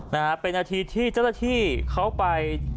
มันเป็นอาทิตย์ที่เจ้าต้าที่เข้าไป